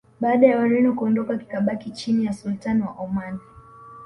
baada ya wareno kuondoka kikabaki chini ya sultani wa oman